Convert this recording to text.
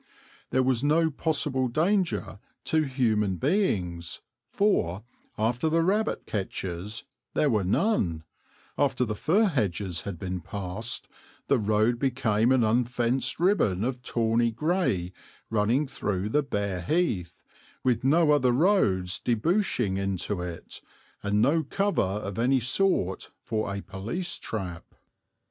There was no possible danger to human beings, for, after the rabbit catchers, there were none; after the fir hedges had been passed the road became an unfenced ribbon of tawny grey running through the bare heath, with no other roads debouching into it, and no cover of any sort for a police trap.